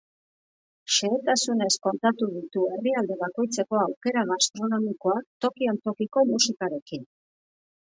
Xehetasunez kontatu ditu herrialde bakoitzeko aukera gastronomikoak, tokian tokiko musikarekin.